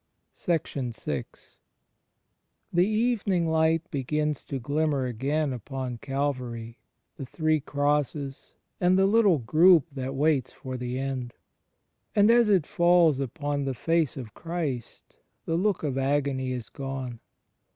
VI The evening light begins to glimmer again upon Calvary, the three crosses, and the little group that waits for the end; and as it falls upon the Face of Christ, the look of agony is gone.